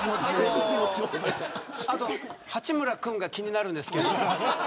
あと八村君が気になるんですけど。